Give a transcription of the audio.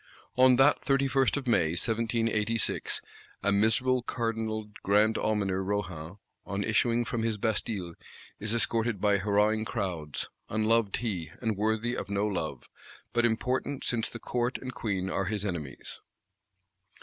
On that 31st of May, 1786, a miserable Cardinal Grand Almoner Rohan, on issuing from his Bastille, is escorted by hurrahing crowds: unloved he, and worthy of no love; but important since the Court and Queen are his enemies.